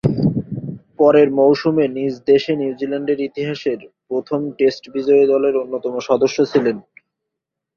পরের মৌসুমে নিজ দেশে নিউজিল্যান্ডের ইতিহাসের প্রথম টেস্ট বিজয়ী দলের অন্যতম সদস্য ছিলেন।